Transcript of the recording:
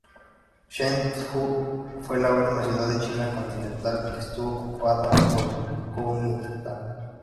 Chengdu fue la última ciudad de China continental que estuvo ocupada por el Kuomintang.